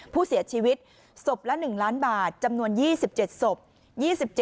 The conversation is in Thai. ผู้เสียชีวิตศพละ๑ล้านบาทจำนวน๒๗ศพ